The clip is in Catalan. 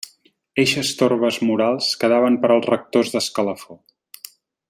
Eixes torbes morals quedaven per als rectors d'escalafó.